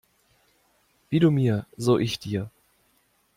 Wie du mir, so ich dir.